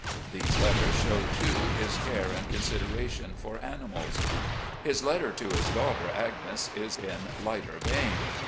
These letters show, too, his care and consideration for animals. His letter to his daughter Agnes is in lighter vein.